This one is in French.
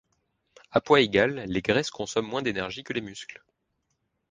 À poids égal, les graisses consomment moins d'énergie que les muscles.